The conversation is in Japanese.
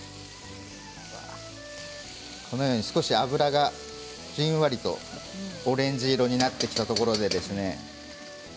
このように少し油がじんわりとオレンジ色になってきたところでですね